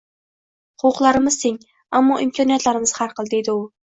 Huquqlarimiz teng, ammo imkoniyatlarimiz har xil, — deydi u